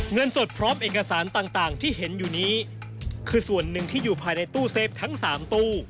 เงินสดพร้อมเอกสารต่างที่เห็นอยู่นี้คือส่วนหนึ่งที่อยู่ภายในตู้เซฟทั้ง๓ตู้